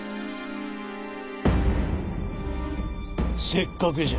せっかくじゃ。